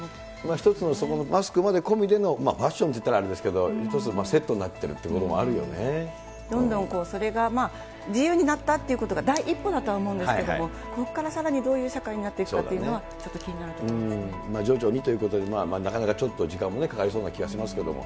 一つのそこのマスクまで込みでのファッションといったらあれですけど、１つセットになってるどんどんそれが自由になったっていうことが、第一歩だとは思うんですけど、ここからさらにどういう社会になっていくかというのは、ちょっと徐々にということで、なかなかちょっと時間もかかりそうな気がしますけども。